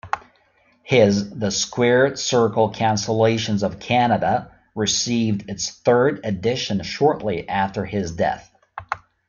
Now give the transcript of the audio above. His "The Squared-Circle Cancellations of Canada" received its third edition shortly after his death.